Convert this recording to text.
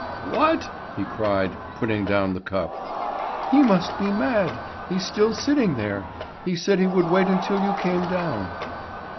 "What?" he cried, putting down the cup. "He must be mad. He's still sitting there. He said he would wait until you came down."